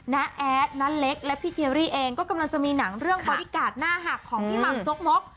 นั๊ตแอ๊ดนันเล็กและพี่เทเรียเองกำลังจะมีหนังเรื่องบอร์ดี้การด์หน้าหักของพี่หมักโจ๊กหมก